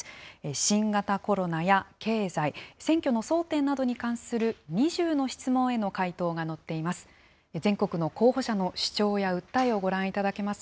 新型コロナや経済、選挙の争点などに関する２０の質問への回答が載っています。